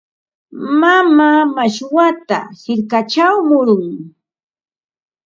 Mamaa mashwata hirkachaw murun.